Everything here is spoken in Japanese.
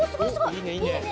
いいねいいね。